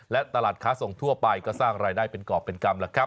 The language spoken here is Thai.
และตลาดค้าส่งทั่วไปก็สร้างรายได้เป็นกรอบเป็นกรรมแล้วครับ